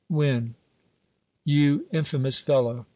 when? You infamous i'cllow!